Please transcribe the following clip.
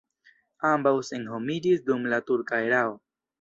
Ambaŭ senhomiĝis dum la turka erao.